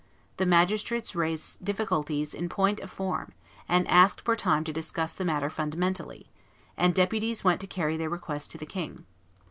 The magistrates raised difficulties in point of form, and asked for time to discuss the matter fundamentally; and deputies went to carry their request to the king.